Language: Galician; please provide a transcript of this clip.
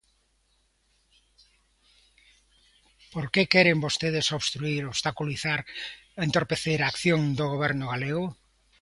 ¿Por que queren vostedes obstruír, obstaculizar, entorpecer a acción do Goberno galego?